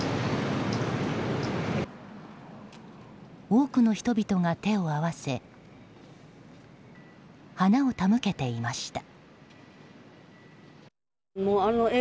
多くの人々が手を合わせ花を手向けていました。